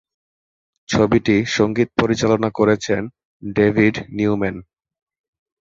ছবিটি সঙ্গীত পরিচালনা করেছেন ডেভিড নিউম্যান।